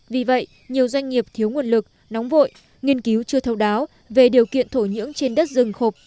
vì vậy nhiều doanh nghiệp thiếu nguồn lực nóng vội nghiên cứu chưa thấu đáo về điều kiện thổ nhưỡng trên đất rừng khộp